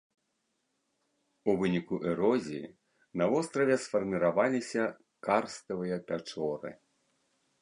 У выніку эрозіі на востраве сфарміраваліся карставыя пячоры.